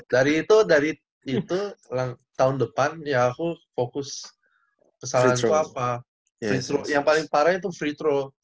dari itu dari itu tahun depan ya aku fokus kesalahan itu apa yang paling parah itu free tro